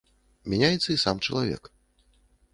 Мяняецца і сам чалавек.